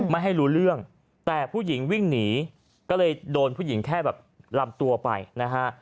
ไม่ให้รู้เรื่องแต่ผู้หญิงวิ่งหนีก็เลยโดนผู้หญิงแค่แบบลำตัวไปนะฮะ